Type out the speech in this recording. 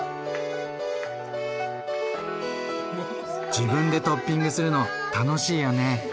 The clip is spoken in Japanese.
自分でトッピングするの楽しいよね。